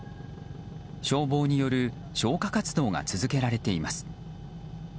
消防による消火活動が続けられています。